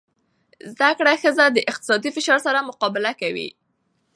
زده کړه ښځه د اقتصادي فشار سره مقابله کولی شي.